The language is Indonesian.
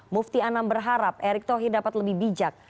mufti anam berharap erick thohir dapat lebih bijak